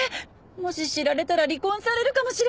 もし知られたら離婚されるかもしれない。